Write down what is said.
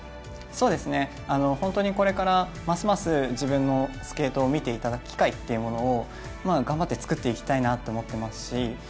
そうですね、これからますます自分のスケートを見ていただく機会というものを頑張ってつくっていきたいなと思ってますし